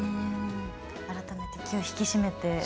改めて、気を引き締めて。